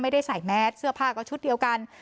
ไม่ได้ใส่แมสเสื้อผ้าก็ชุดเดียวกัน